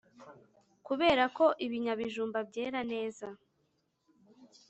kubera ko ibinyabijumba byera neza